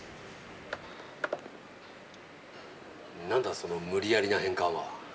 何だその無理やりな変換は。